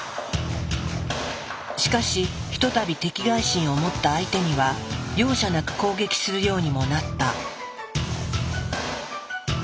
しかし一たび敵がい心を持った相手には容赦なく攻撃するようにもなった。